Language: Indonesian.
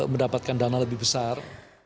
mendapatkan dana lebih besar